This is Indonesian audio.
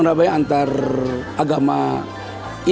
ini kan masalahnya masalah duniawi